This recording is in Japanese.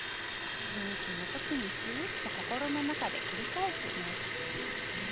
吸う息の時に吸うという心の中で繰り返す、めい想です。